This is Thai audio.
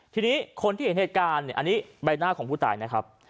ทีนี้คนที่เห็นเหตุการณ์อันนี้ใบหน้าของผู้ตายนะครับ